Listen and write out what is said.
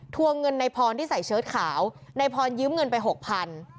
ทวงเงินในพรที่ใส่เชิดขาวในพรยืมเงินไป๖๐๐๐บาท